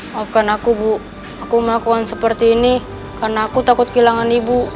maafkan aku bu aku melakukan seperti ini karena aku takut kehilangan ibu